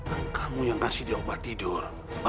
aku cuma pengen tahu aja